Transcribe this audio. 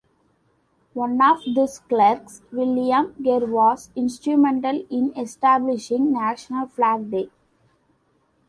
One of these clerks, William Kerr, was instrumental in establishing national Flag Day.